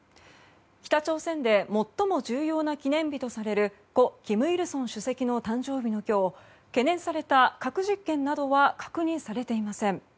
北朝鮮で最も重要な記念日とされる故・金日成主席の誕生日の今日懸念された核実験などは確認されていません。